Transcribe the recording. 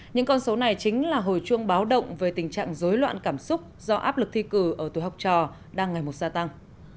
những con số này chính là hồi chuông báo động về tình trạng dối loạn cảm xúc do áp lực thi cử ở tuổi học trò đang ngày một gia tăng